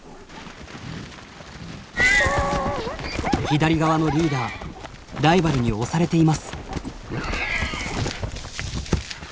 左側のリーダーライバルに押されています。